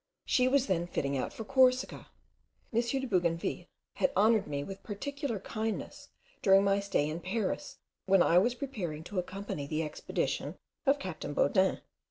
She was then fitting out for Corsica. M. de Bougainville had honoured me with particular kindness during my stay in Paris, when I was preparing to accompany the expedition of captain Baudin.